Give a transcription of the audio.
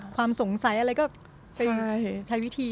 ความสงสัยอะไรก็ไปใช้วิธี